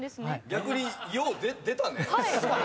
逆によう出たね。